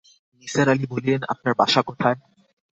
নিসার আলি বললেন, আপনার বাসা কোথায়?